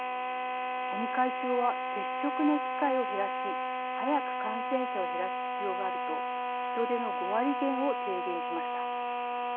尾身会長は、接触の機会を減らし早く感染者を減らす必要があると人出の５割減を提言しました。